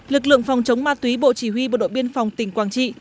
lực lượng phòng chống ma túy bộ chỉ huy bộ đội biên phòng tỉnh quảng trị